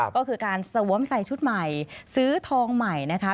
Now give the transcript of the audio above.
ก็คือการสวมใส่ชุดใหม่ซื้อทองใหม่นะคะ